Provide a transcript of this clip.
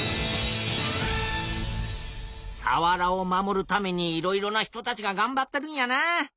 さわらを守るためにいろいろな人たちががんばってるんやなあ。